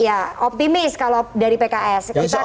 ya optimis kalau dari pks kita akan